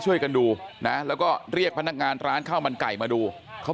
ช่วยกันดูนะแล้วก็เรียกพนักงานร้านข้าวมันไก่มาดูเขา